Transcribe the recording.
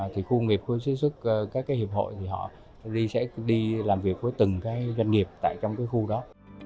thì khu công nghiệp khu chế sức các hiệp hội thì họ đi làm việc với từng doanh nghiệp trong khu đó